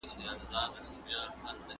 موږ د نویو معلوماتو په تمه یو.